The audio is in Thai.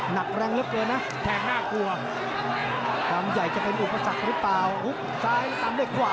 หนับแรงลึกเลยนะแทงรากลัวตามใหญ่จะเป็นอุปสรรครึเปล่าหูฮซ้ายตามด้วยขว้า